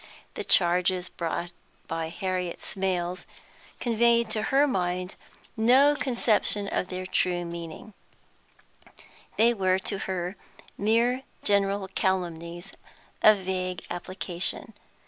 The charges brought by Harriet Smales conveyed to her mind no conception of their true meaning; they were to her mere general calumnies of vague application.